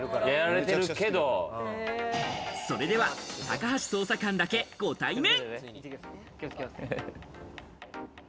それでは高橋捜査官だけご対面。